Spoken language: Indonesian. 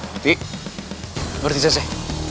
nanti berdisa sensei